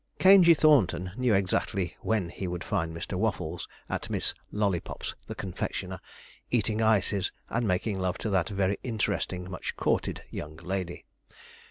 Caingey Thornton knew exactly when he would find Mr. Waffles at Miss Lollypop's, the confectioner, eating ices and making love to that very interesting much courted young lady.